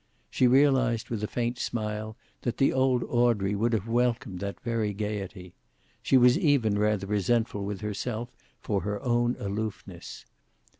She realized, with a faint smile, that the old Audrey would have welcomed that very gayety. She was even rather resentful with herself for her own aloofness.